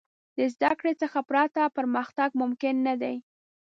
د زدهکړې څخه پرته، پرمختګ ممکن نه دی.